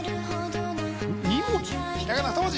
２文字？